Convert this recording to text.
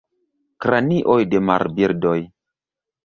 Kranioj de marbirdoj.